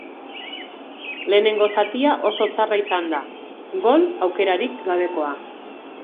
Lehenengo zatia oso txarra izan da, gol aukerarik gabekoa.